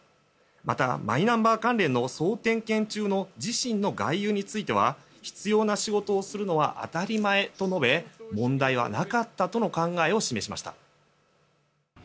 また、マイナンバー関連の総点検中の自身の外遊については必要な仕事をするのは当たり前と述べ問題はなかったとの考えを示しました。